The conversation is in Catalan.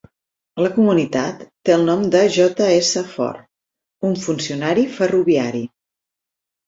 La comunitat té el nom de J. S. Ford, un funcionari ferroviari.